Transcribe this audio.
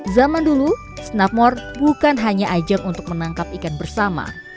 zaman dulu snapmort bukan hanya ajang untuk menangkap ikan bersama